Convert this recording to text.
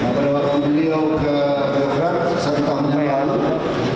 pada waktu beliau ke verand satu tahun yang lalu